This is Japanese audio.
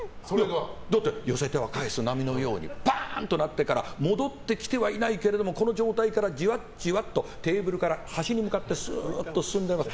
だって、寄せては返す波のようにバーン！となってから戻ってきてはいないけれどもこの状態からじわっじわっとテーブルから端に向かってスーッと進んでおります。